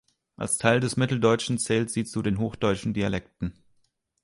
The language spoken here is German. Als Teil des Mitteldeutschen zählt sie zu den hochdeutschen Dialekten.